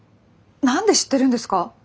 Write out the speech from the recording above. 何で知ってるんですか！？